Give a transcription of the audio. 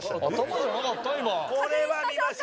これは見ましょう。